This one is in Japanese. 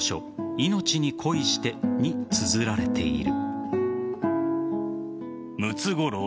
「命に恋して」につづられている。